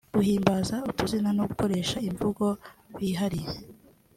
Guhimbana utuzina no gukoresha imvugo bihariye